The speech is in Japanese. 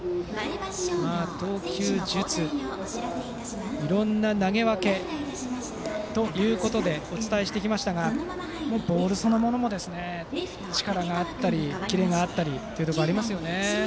投球術いろいろな投げ分けということでお伝えしてきましたがボールそのものにも力があったり、キレがあったりということはありますね。